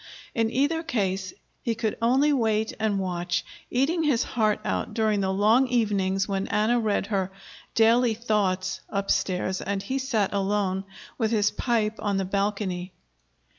In either case, he could only wait and watch, eating his heart out during the long evenings when Anna read her "Daily Thoughts" upstairs and he sat alone with his pipe on the balcony.